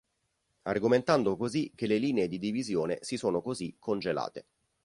Argomentando così che le linee di divisione si sono così 'congelate'.